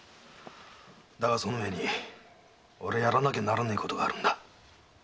だがその前に俺はやらなきゃならねえことがあるんだ。